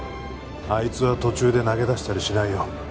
あいつは途中で投げ出したりしないよ